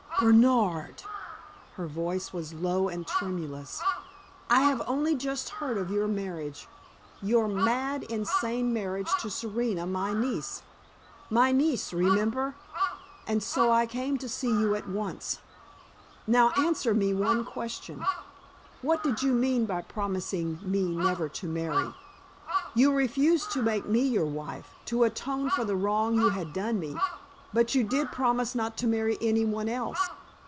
"Bernard!" her voice was low and tremulous "I have only just heard of your marriage your mad, insane marriage to Serena, my niece my niece, remember and so I came to see you at once. Now, answer me one question. What did you mean by promising me never to marry? You refused to make me your wife to atone for the wrong you had done me, but you did promise not to marry any one else.